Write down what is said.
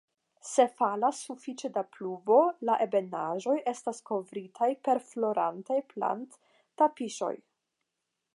Se falas sufiĉe da pluvo, la ebenaĵoj estas kovritaj per florantaj plant-"tapiŝoj".